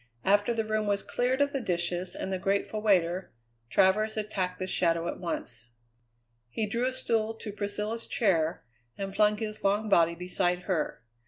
After the room was cleared of dishes and the grateful waiter, Travers attacked the shadow at once. He drew a stool to Priscilla's chair and flung his long body beside her.